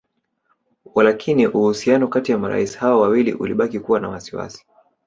Walakini uhusiano kati ya marais hao wawili ulibaki kuwa wa wasiwasi